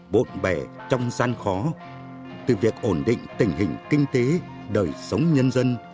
bộn bẻ trong gian khó từ việc ổn định tình hình kinh tế đời sống nhân dân